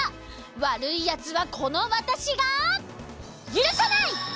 わるいやつはこのわたしがゆるさない！